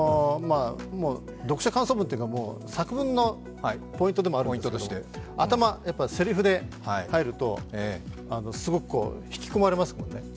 読書感想文というか作文のポイントでもあるんですが頭、せりふで入るとすごく引き込まれますもんね。